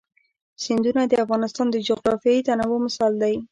سیندونه د افغانستان د جغرافیوي تنوع مثال دی.